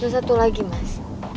satu lagi mas